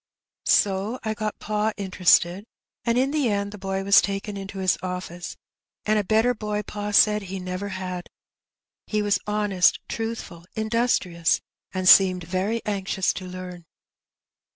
So I got pa interested, and in the end the boy was taken into his office, and a better boy pa said he never had. He was honest, truthful, industrious, and seemed very anxious to learn.